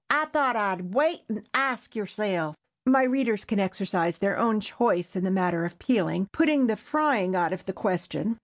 I thought I'd wait and ask yerself." My readers can exercise their own choice in the matter of peeling, putting the frying out of the question.